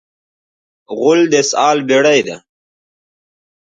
غول د اسهال بېړۍ ده.